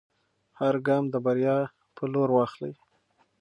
هر ګام د بریا په لور واخلئ.